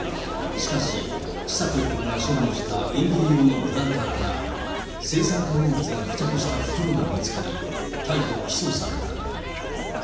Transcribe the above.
しかし、千佐子被告が処分した園芸用のプランターから、青酸化合物が付着した袋が見つかり、逮捕・起訴された。